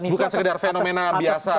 bukan sekedar fenomena biasa